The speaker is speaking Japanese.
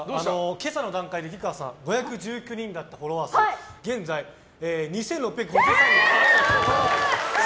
今朝の段階で菊川さん５１９人だったフォロワー数現在２６５３人。